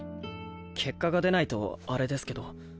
結果が出ないとあれですけど。